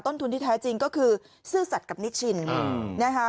ทุนที่แท้จริงก็คือซื่อสัตว์กับนิชชินนะคะ